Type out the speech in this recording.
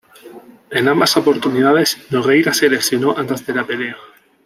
En ambas oportunidades Nogueira se lesionó antes de la pelea.